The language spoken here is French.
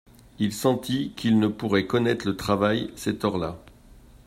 Il sentit qu'il ne pourrait connaître le travail, cette heure-là.